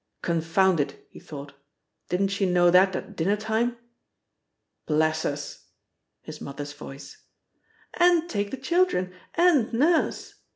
"Confound it!" he thought. "Didn't she know that at dinner time?" "Bless us!" His mother's voice. "And take the children and Nurse!"